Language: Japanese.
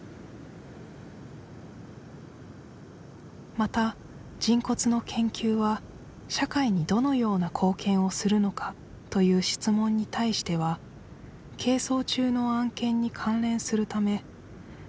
また人骨の研究は社会にどのような貢献をするのかという質問に対してはとしています